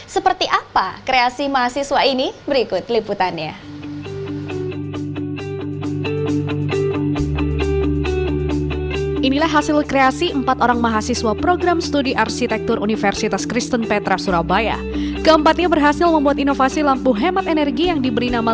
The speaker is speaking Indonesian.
seperti apa kreasi mahasiswa ini berikut liputannya